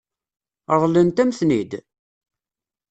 Ṛeḍlent-am-ten-id?